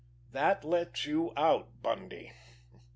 "That lets you out, Bundy."